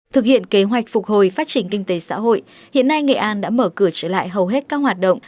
thực hiện kế hoạch phục hồi phát triển kinh tế xã hội hiện nay nghệ an đã mở cửa trở lại hầu hết các hoạt động